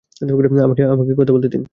আমাকে কথা বলতে দিন।